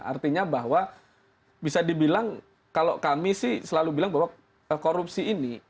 artinya bahwa bisa dibilang kalau kami sih selalu bilang bahwa korupsi ini